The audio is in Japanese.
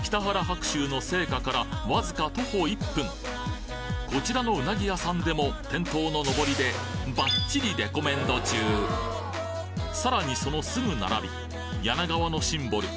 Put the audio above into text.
白秋の生家からわずか徒歩１分こちらのうなぎ屋さんでも店頭ののぼりでばっちりレコメンド中さらにそのすぐ並び柳川のシンボル